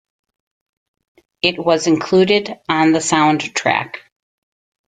It was included on the soundtrack.